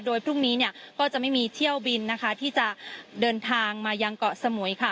โดยพรุ่งนี้เนี่ยก็จะไม่มีเที่ยวบินนะคะที่จะเดินทางมายังเกาะสมุยค่ะ